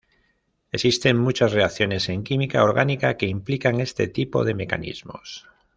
Existen muchas reacciones en química orgánica que implican este tipo de mecanismos.